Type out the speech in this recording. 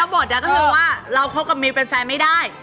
บทก็คือว่าเราคบกับมิวเป็นแฟนไม่ได้